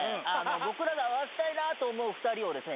僕らが会わせたいなと思う２人をですね